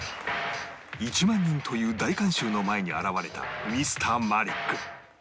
１万人という大観衆の前に現れた Ｍｒ． マリック